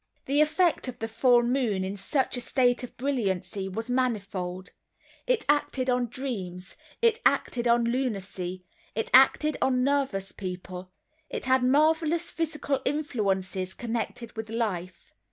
The effect of the full moon in such a state of brilliancy was manifold. It acted on dreams, it acted on lunacy, it acted on nervous people, it had marvelous physical influences connected with life.